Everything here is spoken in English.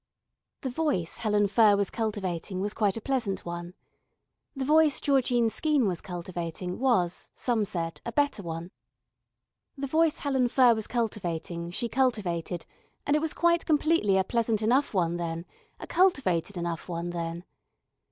The voice Helen Furr was cultivating was quite a pleasant one. The voice Georgine Skeene was cultivating was, some said, a better one. The voice Helen Furr was cultivating she cultivated and it was quite completely a pleasant enough one then, a cultivated enough one then.